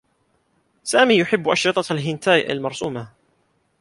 سامي يحبّ أشرطة الهنتاي المرسومة.